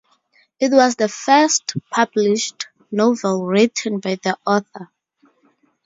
It was the first published novel written by the author.